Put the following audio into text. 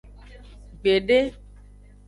Gbede.